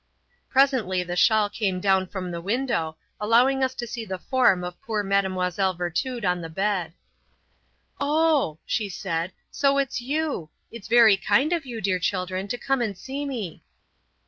Presently the shawl came down from the window, allowing us to see the form of poor Mlle. Virtud on the bed. "Oh," she said, "so it's you! It's very kind of you, dear children, to come and see me!"